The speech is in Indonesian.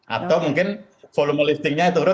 atau mungkin volume liftingnya turun